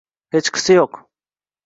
Hechqisi yo'q